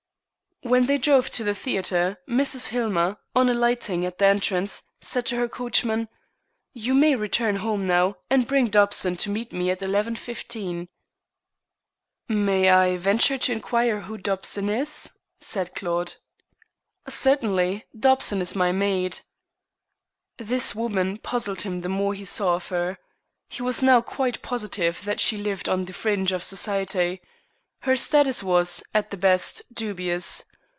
When they drove to the theatre Mrs. Hillmer, on alighting at the entrance, said to her coachman, "You may return home now, and bring Dobson to meet me at 11.15." "May I venture to inquire who Dobson is?" said Claude. "Certainly. Dobson is my maid." This woman puzzled him the more he saw of her. He was now quite positive that she lived on the fringe of Society. Her status was, at the best, dubious.